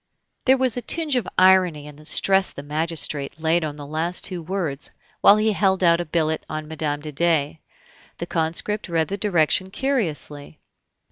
There was a tinge of irony in the stress the magistrate laid on the two last words while he held out a billet on Mme. de Dey. The conscript read the direction curiously.